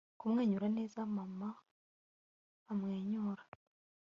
kumwenyura neza, mama amwenyura